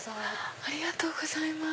ありがとうございます。